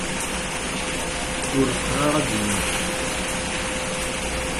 Uleqṛaṛ ad d-innulfu.